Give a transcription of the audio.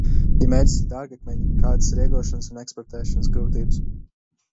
Ja mērķis ir dārgakmeņi, kādas ir iegūšanas un eksportēšanas grūtības?